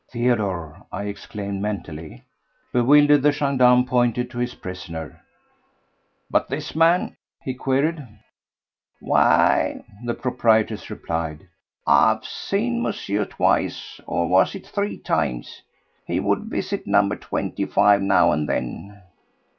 ..." "Theodore," I exclaimed mentally. Bewildered, the gendarme pointed to his prisoner. "But this man ...?" he queried. "Why," the proprietress replied. "I have seen Monsieur twice, or was it three times? He would visit number twenty five now and then."